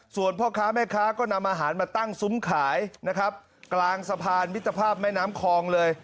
ส่วนพ่อค้าแม่ค้าก็นำอาหารมาตั้งซุ้มขายนะครับกลางสะพานมิตรภาพแม่น้ำคลองเลย